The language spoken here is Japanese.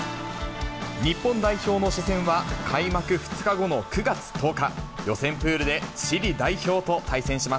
日本代表の初戦は、開幕２日後の９月１０日。